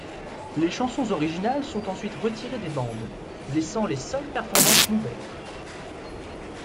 Les chansons originales sont ensuite retirées des bandes, laissant les seules performances nouvelles.